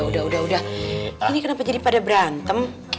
eh udah udah udah ini kenapa jadi pada berantem